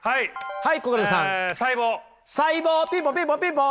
はい。